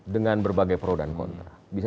dengan berbagai pro dan kontra bisa